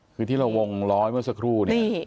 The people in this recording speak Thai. คือที่เราวงร้อยเมื่อสักครู่เนี่ย